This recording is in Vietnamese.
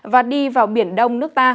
và đi vào biển đông nước ta